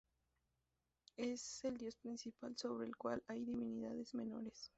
Es el dios principal sobre el cual hay divinidades menores.